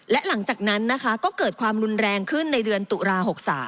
และหลังจากนั้นนะคะก็เกิดความรุนแรงขึ้นในเดือนตุลา๖๓